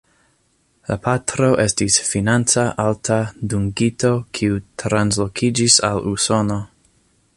La patro estis financa alta dungito kiu translokiĝis al Usono.